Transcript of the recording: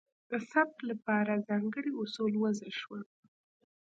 د ثبت لپاره ځانګړي اصول وضع شول.